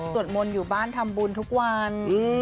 มนต์อยู่บ้านทำบุญทุกวัน